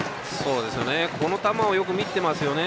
この球をよく見てますよね